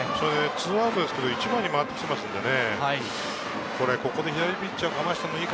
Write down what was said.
２アウトですけれど、１番に回ってきてますからね。